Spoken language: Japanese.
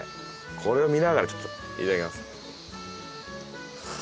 これを見ながらちょっといただきます。